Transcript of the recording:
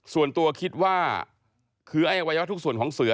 ส่วนตัวคิดว่าคือไอ้อวัยวะทุกส่วนของเสือ